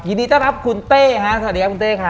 ยินดีต้อนรับคุณเต้ฮะสวัสดีครับคุณเต้ค่ะ